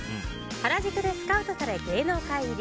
原宿でスカウトされ、芸能界入り。